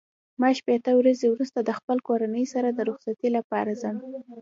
ما شپېته ورځې وروسته د خپل کورنۍ سره د رخصتۍ لپاره ځم.